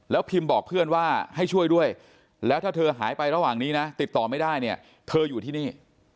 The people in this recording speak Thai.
พิมพ์บอกเพื่อนว่าให้ช่วยด้วยแล้วถ้าเธอหายไประหว่างนี้นะติดต่อไม่ได้เนี่ยเธออยู่ที่นี่